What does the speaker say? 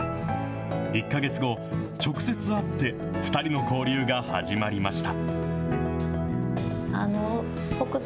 １か月後、直接会って、２人の交流が始まりました。